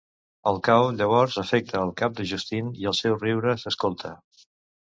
El caos llavors afecta el cap de Justine i el seu riure s'escolta.